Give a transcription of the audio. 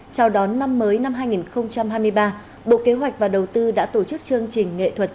chào đón năm mới năm hai nghìn hai mươi ba bộ kế hoạch và đầu tư đã tổ chức chương trình nghệ thuật